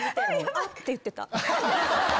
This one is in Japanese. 「あっ」て言ってた。